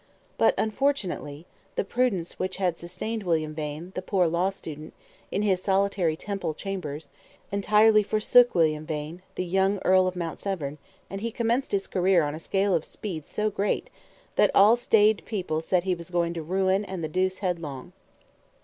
But unfortunately, the prudence which had sustained William Vane, the poor law student, in his solitary Temple chambers entirely forsook William Vane, the young Earl of Mount Severn, and he commenced his career on a scale of speed so great, that all staid people said he was going to ruin and the deuce headlong.